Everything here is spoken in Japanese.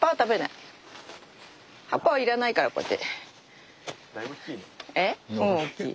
葉っぱは要らないからこうやって。